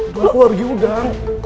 gue alergi udang